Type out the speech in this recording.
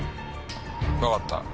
わかった。